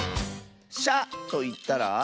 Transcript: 「しゃ」といったら？